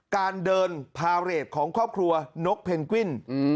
การเดินพาเรทของครอบครัวนกเพนกวิน